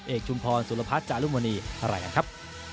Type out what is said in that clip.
เอกชุมพรสุรพาสจารุมวณีทรายการครับ